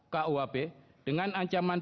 kuap dengan ancaman